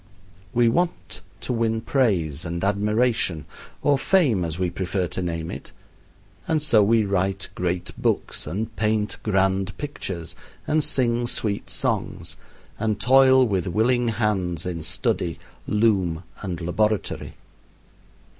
We want to win praise and admiration or fame as we prefer to name it and so we write great books, and paint grand pictures, and sing sweet songs; and toil with willing hands in study, loom, and laboratory.